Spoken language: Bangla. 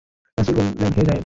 রাসূল বললেন, হে যায়েদ!